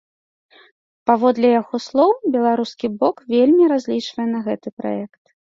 Паводле яго слоў, беларускі бок вельмі разлічвае на гэты праект.